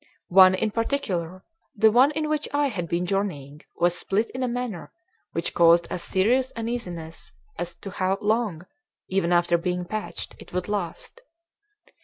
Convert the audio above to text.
One in particular, the one in which I had been journeying, was split in a manner which caused us serious uneasiness as to how long, even after being patched, it would last.